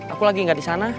aku lagi gak di sana